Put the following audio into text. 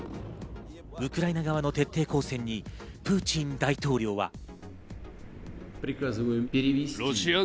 ウクライナ側の徹底抗戦にプーチン大統領は。